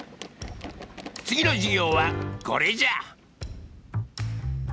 次の授業はこれじゃ。